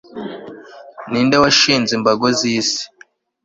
ni nde washinze imbago z'isi